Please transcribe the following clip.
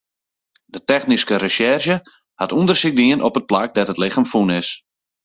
De technyske resjerzje hat ûndersyk dien op it plak dêr't it lichem fûn is.